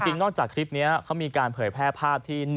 นอกจากคลิปนี้เขามีการเผยแพร่ภาพที่